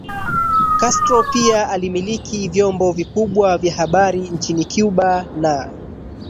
Castro pia alimiliki vyombo vikubwa vya habari nchini Cuba na